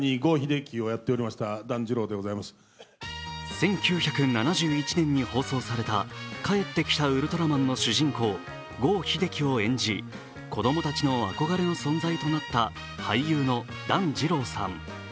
１９７１年に放送された「帰ってきたウルトラマン」の主人公・郷秀樹を演じ子供たちの憧れの存在となった俳優の団時朗さん。